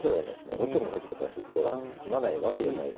後手の立場からすると詰まないわけがないで。